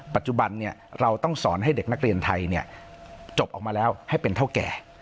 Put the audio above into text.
ปัจจุบันเราต้องสอนให้เด็กนักเรียนไทยจบออกมาแล้วให้เป็นเท่าแก่